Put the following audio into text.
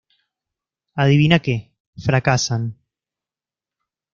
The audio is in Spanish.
Adivina que, fracasan.